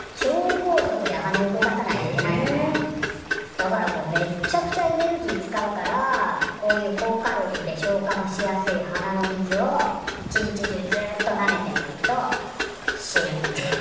だからもうめっちゃくちゃエネルギー使うからこういう高カロリーで消化もしやすい花の蜜を一日中ずっとなめてないと死ぬ。